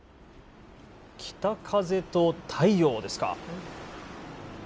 北風と太陽ですか。